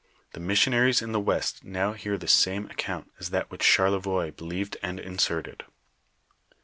Tlie missionaries in the west now hear the same account as that which Charlevoix believed and inserted.